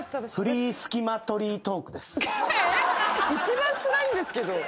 一番つらいんですけど。